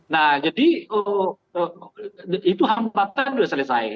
nah jadi itu hambatan sudah selesai